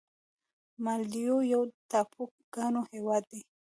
مالدیو یو د ټاپوګانو هېواد دی.